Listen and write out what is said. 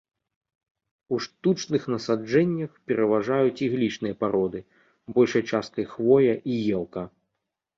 У штучных насаджэннях пераважаюць іглічныя пароды, большай часткай хвоя і елка.